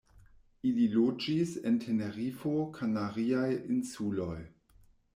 Ili loĝis en Tenerifo, Kanariaj insuloj.